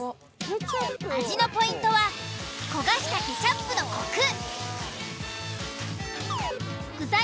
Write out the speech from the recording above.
味のポイントは焦がしたケチャップのコク。